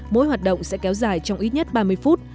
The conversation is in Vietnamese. mỗi hoạt động sẽ kéo dài trong ít nhất ba mươi phút